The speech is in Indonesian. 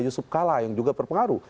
yusuf kala yang juga berpengaruh